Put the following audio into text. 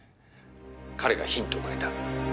彼がヒントをくれた。